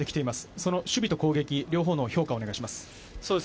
その守備と攻撃、両方の評価をお願いします。